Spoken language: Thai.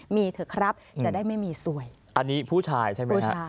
มีเถอะครับจะได้ไม่มีสวยอันนี้ผู้ชายใช่ไหมฮะ